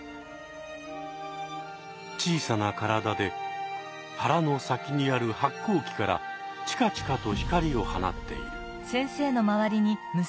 小さな体で腹の先にある発光器からチカチカと光を放っている。